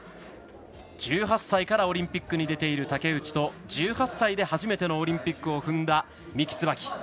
１８歳からオリンピックに出ている、竹内の１８歳で初めてのオリンピックを踏んだ三木つばき。